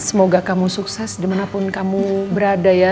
semoga kamu sukses dimanapun kamu berada ya